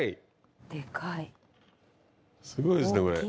すごいですねこれ。